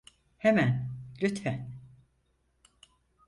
Hemen, lütfen.